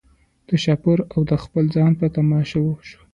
د شهپر او د خپل ځان په تماشا سو